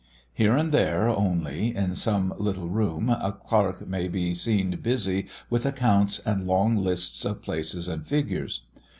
Here and there only in some little room a clerk may be seen busy with accounts and long lists of places and figures.